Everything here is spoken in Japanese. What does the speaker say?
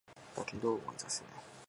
だけど、思い出せない